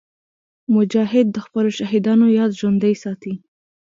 مجاهد د خپلو شهیدانو یاد ژوندي ساتي.